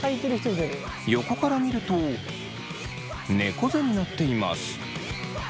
横から見ると猫背になっています。